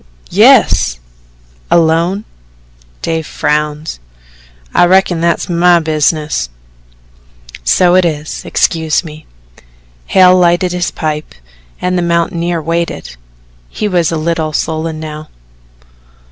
"Yes." "Alone?" Dave frowned. "I reckon that's my business." "So it is excuse me." Hale lighted his pipe and the mountaineer waited he was a little sullen now.